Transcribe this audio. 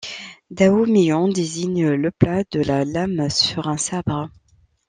Dao Mian désigne le plat de la lame sur un sabre.